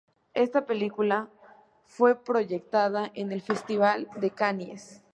Esta película fue proyectada en el Festival de Cannes.